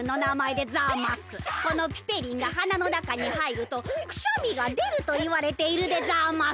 このピペリンがはなのなかにはいるとくしゃみがでるといわれているでざます。